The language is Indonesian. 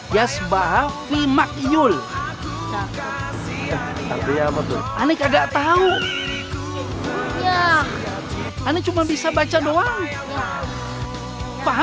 jasbah vimakyul tapi apa tuh aneh kagak tahu ya aneh cuma bisa baca doang paham